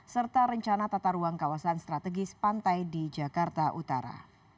serta rencana tata ruang kawasan strategis pantai di jakarta utara